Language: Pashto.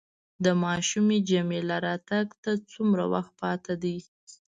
د ماشومې جميله راتګ ته څومره وخت پاتې دی؟